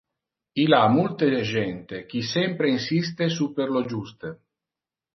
Il ha multe gente qui sempre insiste super lo juste.